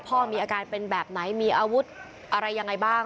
พ่อมีอาการเป็นแบบไหนมีอาวุธอะไรยังไงบ้าง